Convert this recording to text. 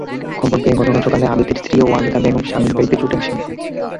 খবর পেয়ে গতকাল সকালে আবেদের স্ত্রী ওয়ালেদা বেগম স্বামীর বাড়িতে ছুটে আসেন।